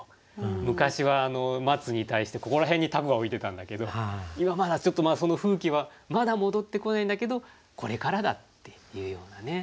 昔は松に対してここら辺に凧が浮いてたんだけど今まだちょっとその風景はまだ戻ってこないんだけどこれからだっていうようなね。